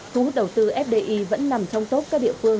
thú đầu tư fdi vẫn nằm trong tốt các địa phương